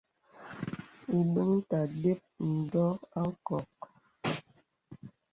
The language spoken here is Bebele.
Ìbəŋ ta də́p ndɔ̄ a nkɔk.